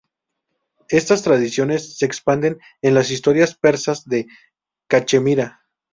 Estas tradiciones se expanden en las historias persas de Cachemira.